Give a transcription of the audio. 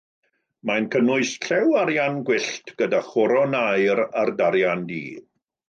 Mae'n cynnwys llew arian gwyllt gyda choron aur ar darian du.